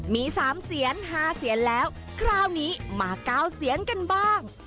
มี๓เสียน๕เสียนแล้วคราวนี้มา๙เสียงกันบ้าง